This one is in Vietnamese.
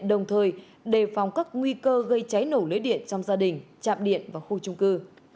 đồng thời đề phòng các nguy cơ gây cháy nổ lưới điện trong gia đình trạm điện và khu trung cư